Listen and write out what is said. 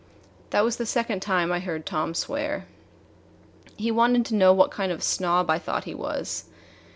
That was the second time I heard Tom swear. He wanted to know what kind of a snob I thought he was.